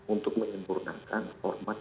untuk menyempurnakan format